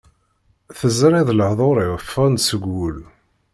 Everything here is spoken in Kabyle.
Teẓriḍ lehḍur-iw ffɣen-d seg wul.